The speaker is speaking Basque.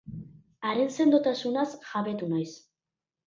Haren sendotasunaz jabetu naiz.